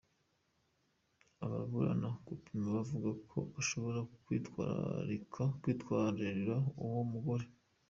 Ababuranira Baupin bavuga ko bashobora kwitwariura uwo mugore.